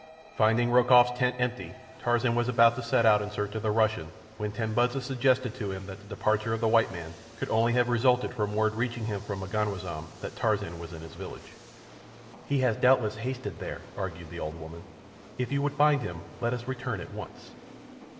Finding Rokoff's tent empty, Tarzan was about to set out in search of the Russian when Tambudza suggested to him that the departure of the white man could only have resulted from word reaching him from M'ganwazam that Tarzan was in his village. "He has doubtless hastened there," argued the old woman. "If you would find him let us return at once."